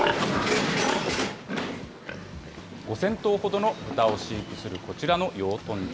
５０００頭ほどの豚を飼育するこちらの養豚場。